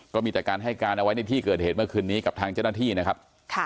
ก็มีแต่การให้การเอาไว้ในที่เกิดเหตุเมื่อคืนนี้กับทางเจ้าหน้าที่นะครับ